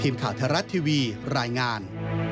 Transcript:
ทีมข่าวไทยรัฐทีวีรายงาน